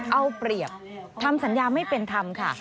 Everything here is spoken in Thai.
เอาเปรียบทำสัญญาไม่เป็นธรรมค่ะ